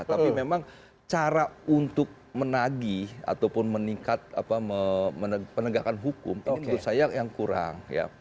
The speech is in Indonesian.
tapi memang cara untuk menagih ataupun meningkat penegakan hukum itu menurut saya yang kurang